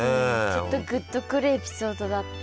ちょっとグッとくるエピソードだった。